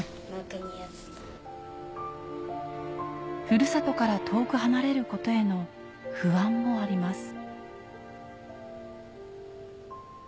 ふるさとから遠く離れることへの不安もあります